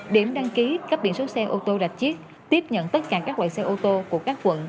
điểm đăng ký cấp biển số xe ô tô rạch chiếc tiếp nhận tất cả các loại xe ô tô của các quận